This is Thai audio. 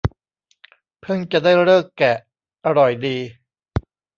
เพิ่งจะได้ฤกษ์แกะ อร่อยดี